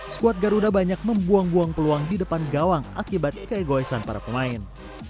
skuad garuda banyak membuang buang peluang di depan gawang akibat keegoisan para pemain